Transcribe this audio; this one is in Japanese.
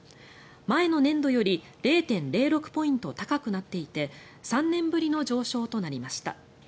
前の年度より０．０６ポイント高くなっていて３年ぶりの上昇となりました。